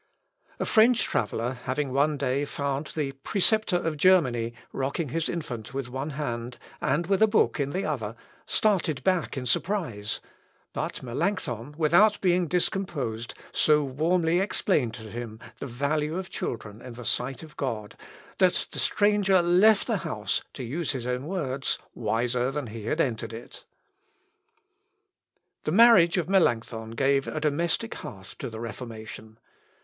A French traveller having one day found the "preceptor of Germany" rocking his infant with one hand, and with a book in the other, started back in surprise; but Melancthon, without being discomposed, so warmly explained to him the value of children in the sight of God, that the stranger left the house, (to use his own words,) "wiser than he had entered it." [Sidenote: MELANCTHON'S VISIT TO HIS MOTHER.] The marriage of Melancthon gave a domestic hearth to the Reformation.